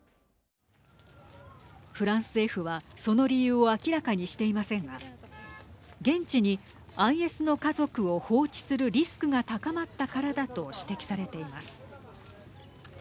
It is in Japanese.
フランス政府はその理由を明らかにしていませんが現地にＩＳの家族を放置するリスクが高まったからだと指摘されています。